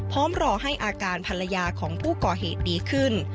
พร้อมรอให้อาการภรรยาของผู้ก่อเหตุดีขึ้น